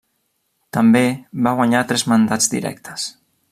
També va guanyar tres mandats directes.